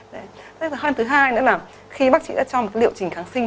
thế thì thứ hai nữa là khi bác chị đã cho một liệu trình kháng sinh